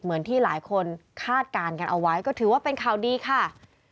เหมือนที่หลายคนคาดการณ์กันเอาไว้ก็ถือว่าเป็นข่าวดีค่ะ